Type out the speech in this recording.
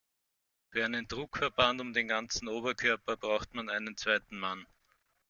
Für einen Druckverband um den ganzen Oberkörper braucht man einen zweiten Mann.